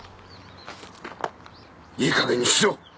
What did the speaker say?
いいかげんにしろ！